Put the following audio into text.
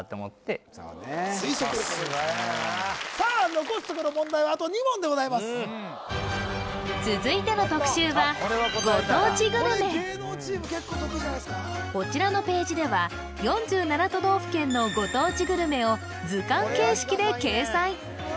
推測でたどり着いたさあ残すところ問題はあと２問でございます続いての特集はこちらのページでは４７都道府県のご当地グルメを図鑑形式で掲載